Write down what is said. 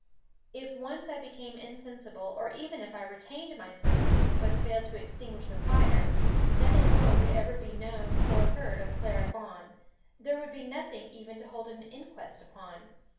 If once I became insensible, or even if I retained my senses but failed to extinguish the fire, nothing more would ever be known or heard of Clara Vaughan; there would be nothing even to hold an inquest upon.